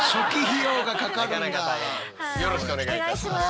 よろしくお願いします。